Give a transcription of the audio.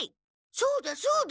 そうだそうだ！